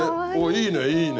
いいねいいね。